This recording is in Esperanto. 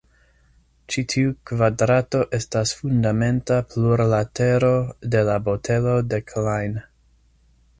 Ĉi tiu kvadrato estas fundamenta plurlatero de la botelo de Klein.